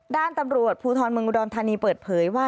ด้านตำรวจภูทรเมืองอุดรธานีเปิดเผยว่า